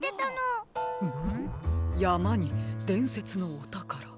フムやまにでんせつのおたから。